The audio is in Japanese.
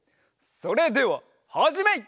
それでははじめい！